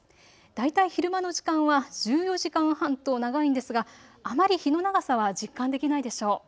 大体、昼間の時間は１４時間半と長いんですが、あまり日の長さは実感できないでしょう。